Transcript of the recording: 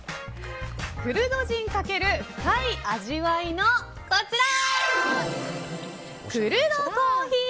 クルド人×深い味わいのこちら。